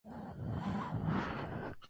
Fue especialista en la familia de los cactos.